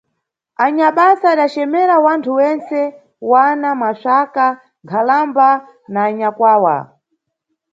Anyabasa adacemera wanthu wentse, wana, masvaka, nkhalamba na anyakwawa.